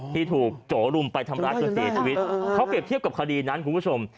ที่ถูกโจรุมไปทำร้ายจนเสียชีวิตเขาเปรียบเทียบกับคดีนั้นคุณผู้ชม